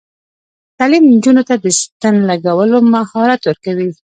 تعلیم نجونو ته د ستن لګولو مهارت ورکوي.